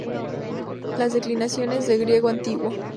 Las declinaciones del griego antiguo